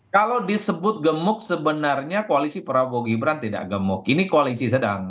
kalau disebut gemuk sebenarnya koalisi prabowo gibran tidak gemuk ini koalisi sedang